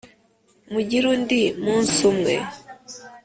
mugire undi munsi umwe.